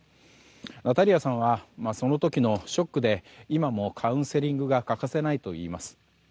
ナタリアさんはその時のショックで今もカウンセリングが欠かせないといいます。